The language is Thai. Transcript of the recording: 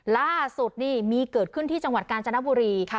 ล่าสุดนี่มีเกิดขึ้นที่จังหวัดกาญจนบุรี